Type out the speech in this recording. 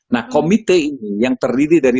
nah komite ini yang terdiri dari